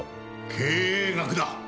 経営学だ。